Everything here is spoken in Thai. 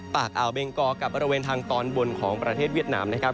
อ่าวเบงกอกับบริเวณทางตอนบนของประเทศเวียดนามนะครับ